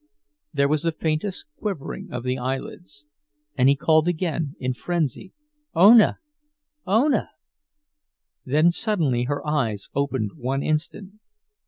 There was the faintest quivering of the eyelids, and he called again in frenzy: "Ona! Ona!" Then suddenly her eyes opened one instant.